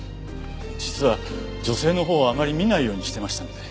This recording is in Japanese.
実は女性のほうをあまり見ないようにしてましたので。